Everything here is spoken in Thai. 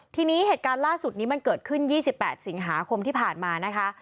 ทีนี้เหตุการณ์ล่าสุดนี้มันเกิดขึ้น๒๘สิงหาคมที่ผ่านมานะคะ